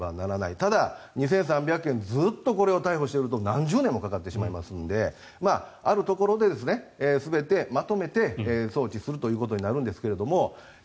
ただ、２３００件ずっとこれを逮捕していると何十年もかかってしまいますのであるところで全てまとめて送致するということになるんですが今